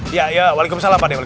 iya iya walikum salam pak dek